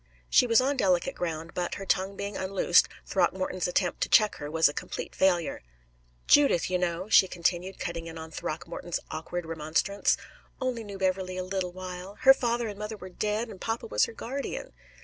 She was on delicate ground, but, her tongue being unloosed, Throckmorton's attempt to check her was a complete failure. "Judith, you know," she continued, cutting in on Throckmorton's awkward remonstrance, "only knew Beverley a little while. Her father and mother were dead, and papa was her guardian.